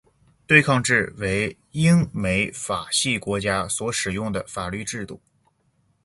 对抗制为英美法系国家所使用的法律制度。